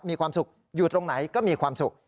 มีความสุขอยู่ตรงไหนก็มีความสุข